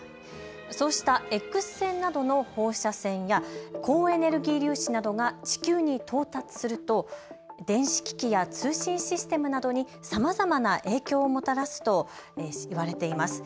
そうしたＸ線などの放射線や高エネルギー粒子などが地球に到達すると電子機器や通信システムなどにさまざまな影響をもたらすといわれています。